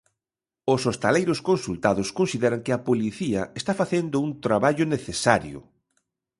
Os hostaleiros consultados consideran que a policía está facendo un traballo necesario.